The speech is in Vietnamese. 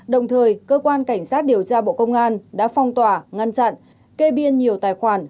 đồng thời cơ quan cảnh sát điều tra bộ công an đã phong tỏa ngăn chặn kê biên nhiều tài khoản